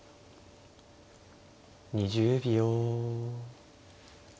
２０秒。